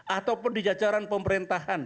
ataupun di jajaran pemerintahan